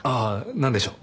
何でしょう？